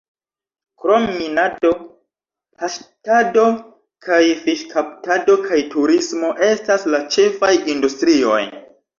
Krom minado, paŝtado kaj fiŝkaptado kaj turismo estas la ĉefaj industrioj.